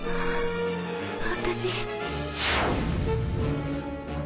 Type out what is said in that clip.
私。